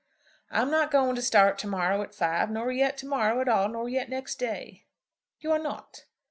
"I'm not going to start to morrow at five, nor yet to morrow at all, nor yet next day." "You are not?"